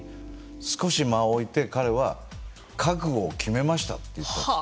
少し間を置いて彼は覚悟を決めましたと言ったんです。